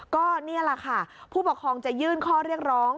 ก็นี่แหละค่ะผู้ปกครองจะยื่นข้อเรียกร้อง